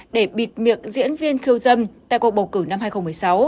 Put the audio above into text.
để bịt miệng diễn viên khiêu dâm tại cuộc bầu cử năm hai nghìn một mươi sáu